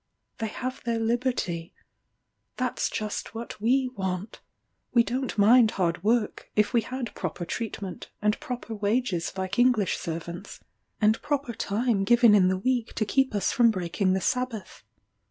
They have their liberty. That's just what we want. We don't mind hard work, if we had proper treatment, and proper wages like English servants, and proper time given in the week to keep us from breaking the Sabbath.